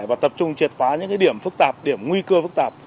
và tập trung triệt phá những điểm phức tạp điểm nguy cơ phức tạp